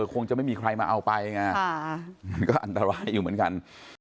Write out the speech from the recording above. คงจะไม่มีใครมาเอาไปไงมันก็อันตรายอยู่เหมือนกัน